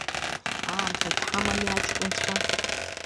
Аамҭагьы ҳамами, аҷкәынцәа?